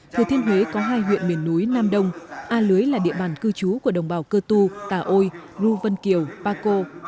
thừa thiên huế có hai huyện miền núi nam đông a lưới là địa bàn cư trú của đồng bào cơ tu tà ôi ru vân kiều pa co